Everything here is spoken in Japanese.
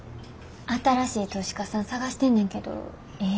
新しい投資家さん探してんねんけどええ